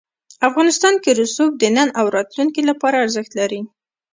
افغانستان کې رسوب د نن او راتلونکي لپاره ارزښت لري.